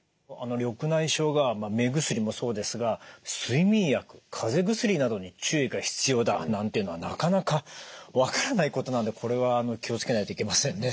緑内障が目薬もそうですが睡眠薬かぜ薬などに注意が必要だなんていうのはなかなか分からないことなんでこれは気を付けないといけませんね。